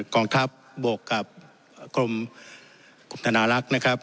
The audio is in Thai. กองทัพบวกกับกรมธนาลักษณ์นะครับ